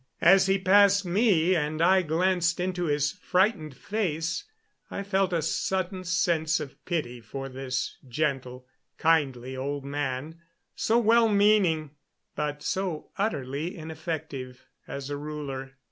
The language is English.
As he passed me and I glanced into his frightened face I felt a sudden sense of pity for this gentle, kindly old man, so well meaning, but so utterly ineffective as a ruler.